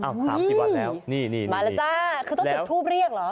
อ้าว๓๐วันแล้วนี่มาแล้วจ้าคือต้องถูกทูบเรียกเหรอ